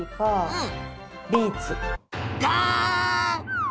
うん！